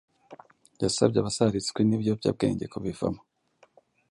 yasabye abasaritswe n’ibiyobyabwenge kubivamo